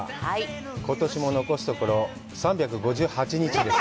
ことしも残すところ３５８日です。